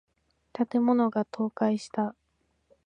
建物が倒壊した。